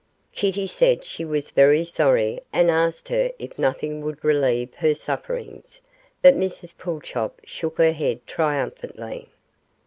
Kitty said she was very sorry, and asked her if nothing would relieve her sufferings, but Mrs Pulchop shook her head triumphantly.